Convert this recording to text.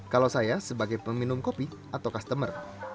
kalau saya sebagai peminum kopi atau customer